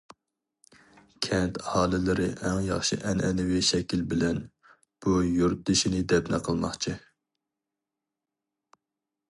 كەنت ئاھالىلىرى ئەڭ ياخشى ئەنئەنىۋى شەكىل بىلەن بۇ يۇرتدىشىنى دەپنە قىلماقچى.